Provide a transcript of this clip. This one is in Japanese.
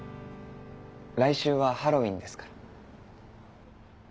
来週はハロウィンですから。